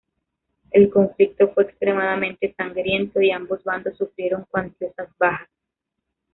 El conflicto fue extremadamente sangriento, y ambos bandos sufrieron cuantiosas bajas.